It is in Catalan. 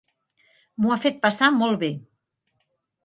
M'ho ha fet passar molt bé.